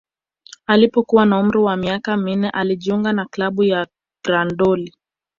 Alipokuwa na umri wa miaka minne alijiunga na klabu ya Grandoli